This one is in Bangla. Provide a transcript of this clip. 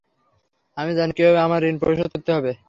আমি জানি কিভাবে আমার ঋণ পরিশোধ করতে হবে।